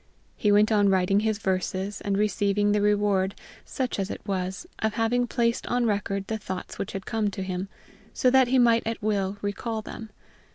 He went on writing his verses, and receiving the reward, such as it was, of having placed on record the thoughts which had come to him, so that he might at will recall them.